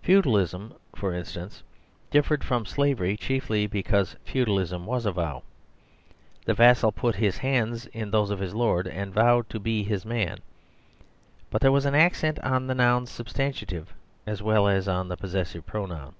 Feudal ism, for instance, differed from slavery chiefly because feudalism was a vow. The vassal put his hands in those of his lord, and vowed to be his man; but there was an accent on the noun substantive as well as on the possessive pronoun.